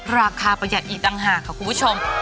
ประหยัดอีกต่างหากค่ะคุณผู้ชม